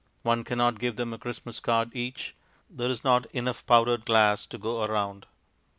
One cannot give them a Christmas card each; there is not enough powdered glass to go round.